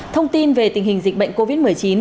thông tin về tình hình dịch bệnh covid một mươi chín